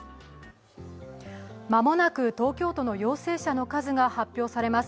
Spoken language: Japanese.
まもなく東京都の陽性者の数が発表されます。